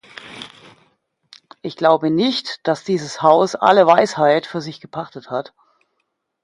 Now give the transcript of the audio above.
Ich glaube nicht, dass dieses Haus alle Weisheit für sich gepachtet hat.